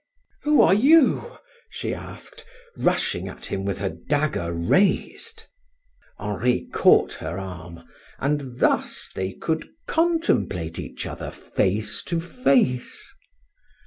"Who are you?" she asked, rushing at him with her dagger raised. Henri caught her arm, and thus they could contemplate each other face to face.